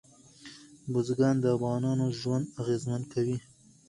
بزګان د افغانانو ژوند اغېزمن کوي.